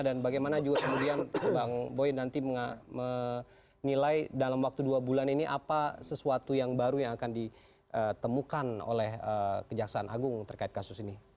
dan bagaimana juga kemudian bang boy nanti menilai dalam waktu dua bulan ini apa sesuatu yang baru yang akan ditemukan oleh kejaksaan agung terkait kasus ini